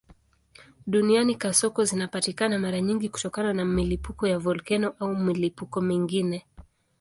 Duniani kasoko zinapatikana mara nyingi kutokana na milipuko ya volkeno au milipuko mingine.